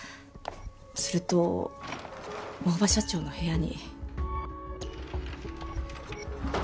すると大庭社長の部屋に。